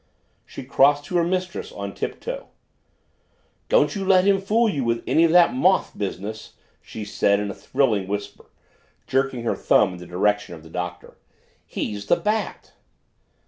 She crossed to her mistress on tiptoe. "Don't you let him fool you with any of that moth business!" she said in a thrilling whisper, jerking her thumb in the direction of the Doctor. "He's the Bat."